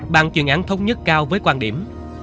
ban chuyên án thống nhất cao với quan điểm